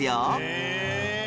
へえ！